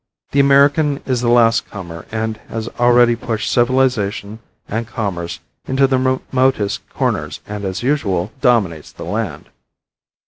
The American is the last comer and has already pushed civilization and commerce into the remotest corners and, as usual, dominates the land.